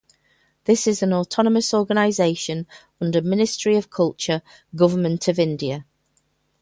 This is an autonomous organization under Ministry of Culture, Government of India.